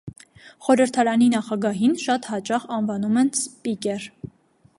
Խորհրդարանի նախագահին շատ հաճախ անվանում են սպիկեր։